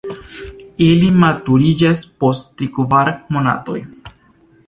Ili maturiĝas post tri-kvar monatoj.